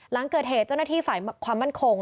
หลังเกิดเหตุเจ้าหน้าที่ฝ่ายความมั่นคง